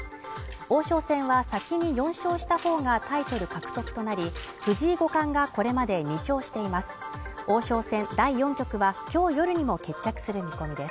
王将戦は先に４勝したほうがタイトル獲得となり藤井五冠がこれまで２勝しています